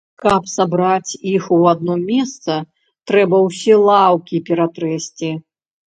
Каб сабраць іх у адно месца, трэба ўсе лаўкі ператрэсці.